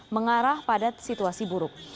mengarah pada situasi buruk